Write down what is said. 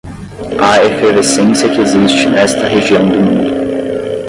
à efervescência que existe nesta região do mundo